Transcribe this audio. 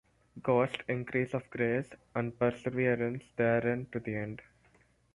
Ghost, increase of grace, and perseverance therein to the end.